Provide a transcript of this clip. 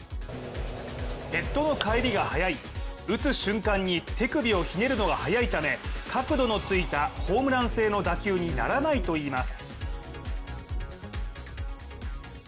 ヘッドの返りが早い、打つ瞬間に手首をひねるのが早いため角度のついたホームラン性の打球にならないといいます。